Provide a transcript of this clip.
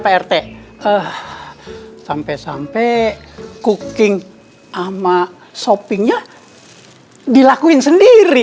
hai sampai sampai cooking moma shoppingnya dilakuin sendiri